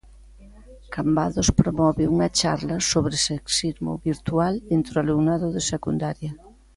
Cambados promove unha charla sobre sexismo virtual entre o alumnado de secundaria.